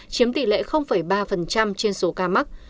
chiếm tỷ lệ ba trên số ca mắc